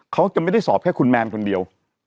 เขาจะไม่ได้สอบแค่คุณแมนคนเดียว